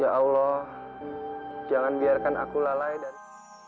ya allah jangan biarkan aku lalai dan